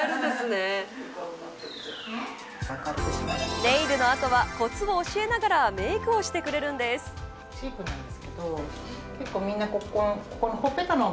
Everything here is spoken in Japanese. ネイル後は、こつを教えながらメークをしてくれるんです。